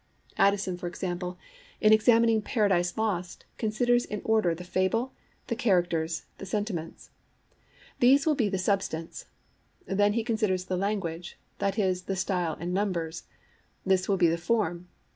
Addison, for example, in examining Paradise Lost considers in order the fable, the characters, and the sentiments; these will be the substance: then he considers the language, that is, the style and numbers; this will be the form.